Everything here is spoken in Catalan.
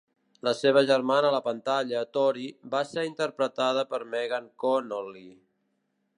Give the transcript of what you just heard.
La seva germana a la pantalla, Tori, va ser interpretada per Megan Connolly.